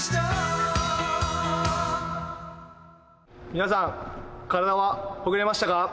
皆さん、体はほぐれましたか？